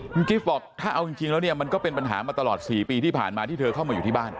คุณกิฟต์บอกถ้าเอาจริงแล้วเนี่ยมันก็เป็นปัญหามาตลอด๔ปีที่ผ่านมาที่เธอเข้ามาอยู่ที่บ้าน